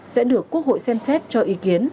sẽ được quốc hội xem xét cho ý kiến